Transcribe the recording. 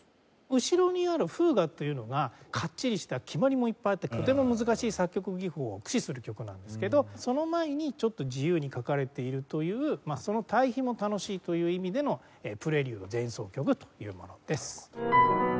後ろにあるフーガというのがかっちりした決まりもいっぱいあってとても難しい作曲技法を駆使する曲なんですけどその前にちょっと自由に書かれているというその対比も楽しいという意味でのプレリュード前奏曲というものです。